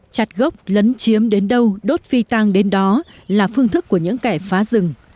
chặt gốc lấn chiếm đến đâu đốt phi tăng đến đó là phương thức của những kẻ phá rừng